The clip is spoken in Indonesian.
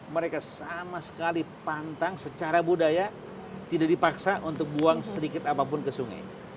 mereka sama sekali pantang secara budaya tidak dipaksa untuk buang sedikit apapun ke sungai